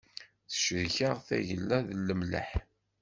Tecrek-aɣ tagella d lemleḥ.